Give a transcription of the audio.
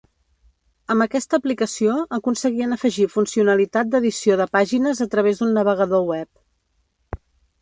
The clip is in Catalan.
Amb aquesta aplicació aconseguien afegir funcionalitat d'edició de pàgines a través d'un navegador web.